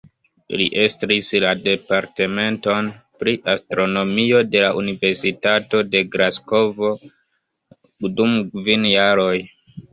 Li estris la Departementon pri astronomio de la Universitato de Glasgovo dum kvin jaroj.